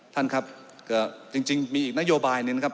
ท่านครับก็จริงมีอีกนโยบายหนึ่งนะครับ